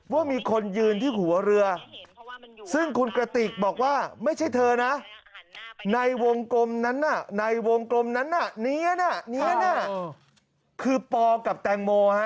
ว่ามีคนยืนที่หัวเรือซึ่งคุณกระติกบอกว่าไม่ใช่เธอนะในวงกลมนั้นน่ะในวงกลมนั้นน่ะคือปอกับแตงโมฮะ